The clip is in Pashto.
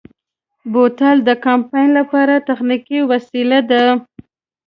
بوتل د کمپاین لپاره تخنیکي وسیله ده.